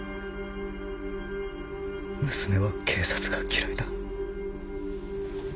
娘は警察が嫌いだ。